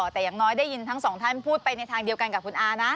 แต่อย่างน้อยได้ยินทั้งสองท่านพูดไปในทางเดียวกันกับคุณอานะ